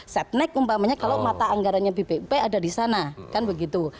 setnek umpamanya kalau mata anggarannya bpup ada di sana kan begitu